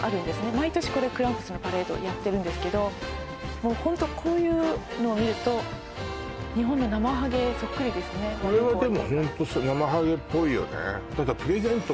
毎年これクランプスのパレードやってるんですけどもうホントこういうのを見ると日本のなまはげそっくりですねこれはでもホントなまはげっぽいよね